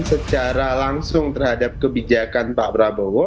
secara langsung terhadap kebijakan pak prabowo